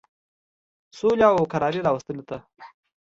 سولي او کراري راوستلو ته.